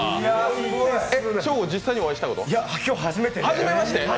今日初めまして。